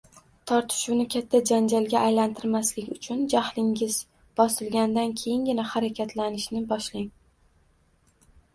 Tortishuvni katta janjalga aylantirmaslik uchun jahlingiz bosilgandan keyingina harakatlanishni boshlang.